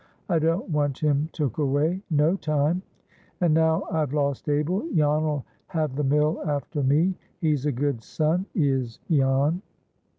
I don't want him took away, no time. And now I've lost Abel, Jan'll have the mill after me. He's a good son is Jan."